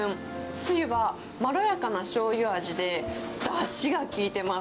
つゆはまろやかなしょうゆ味で、だしが効いてます。